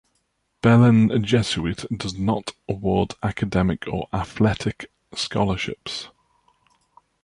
Belen Jesuit does not award academic or athletic scholarships.